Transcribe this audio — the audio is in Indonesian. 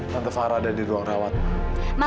tante farah ada di ruang rawat ma